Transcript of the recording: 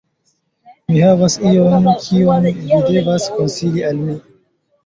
Mi havas ion kion vi devas konsili al mi